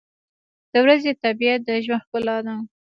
• د ورځې طبیعت د ژوند ښکلا ده.